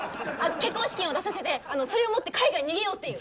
結婚資金を出させてそれを持って海外に逃げようっていう。